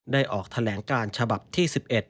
ออกแถลงการฉบับที่๑๑